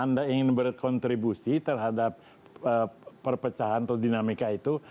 anda ingin berkontribusi terhadap perpecahan atau dinamika itu